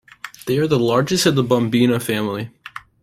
They are the largest of the bombina family.